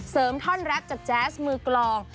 ท่อนแรปจากแจ๊สมือกลอง